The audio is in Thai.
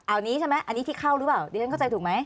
อันนี้ใช่ไหมอันนี้ที่เข้าหรือเปล่าดิฉันเข้าใจถูกไหม